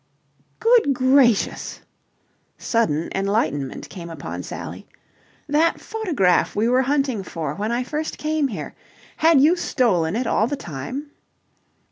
"Good gracious!" Sudden enlightenment came upon Sally. "That photograph we were hunting for when I first came here! Had you stolen it all the time?"